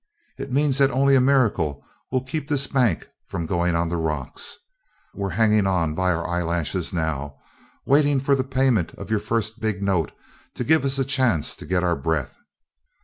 It means that only a miracle will keep this bank from goin' on the rocks. We're hangin' on by our eyelashes now, waiting for the payment of your first big note to give us a chance to get our breath.